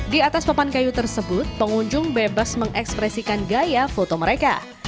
di atas papan kayu tersebut pengunjung bebas mengekspresikan gaya foto mereka